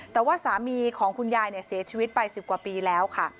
แต่ว่าสามีของคุณยายเสียชีวิตไป๑๐กว่าปีแล้วค่ะ